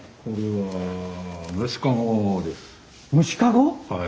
はい。